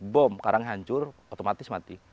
bom karang hancur otomatis mati